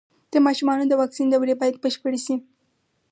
د ماشومانو د واکسین دورې بايد بشپړې شي.